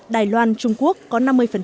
đài loan trung quốc có năm mươi